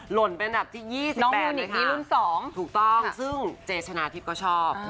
หล่นเป็นอันดับที่๒๘เลยค่ะถูกต้องซึ่งเจชนะทิพย์ก็ชอบ